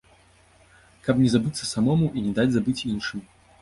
Каб не забыцца самому і не даць забыць іншым.